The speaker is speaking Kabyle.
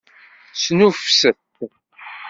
Snuffset!